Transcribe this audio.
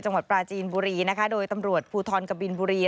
จังหวัดปราจีนบุรีนะคะโดยตำรวจภูทรกบินบุรี